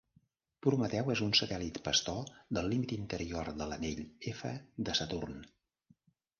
Prometeu és un satèl·lit pastor del límit interior de l'Anell F de Saturn.